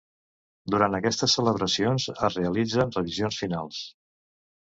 Durant aquestes celebracions es realitzen revisions finals.